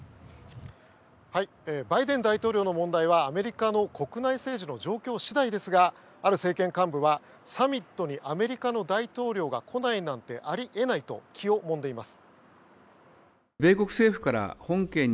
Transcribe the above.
バイデン大統領の問題はアメリカの国内政治の状況次第ですがある政権幹部は、サミットにアメリカの大統領が来ないなんてあり得ないと気をもんでいます。